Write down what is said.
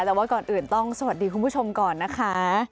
แต่ว่าก่อนอื่นต้องสวัสดีคุณผู้ชมก่อนนะคะ